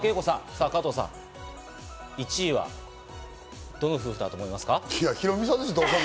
さぁ、加藤さん１位はどの夫婦だと思いますか？